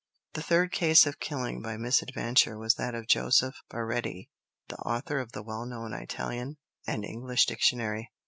The third case of killing by misadventure was that of Joseph Baretti, the author of the well known Italian and English dictionary.